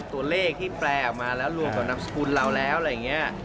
ตัวเลขที่แปลออกมาแล้วรวมกับนามสกุลเราแล้วอะไรอย่างนี้